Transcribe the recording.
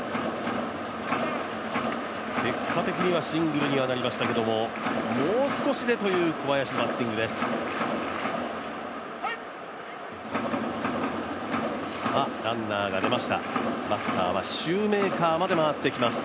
結果的にシングルになりましたけどもう少しでという小林のバッティングです。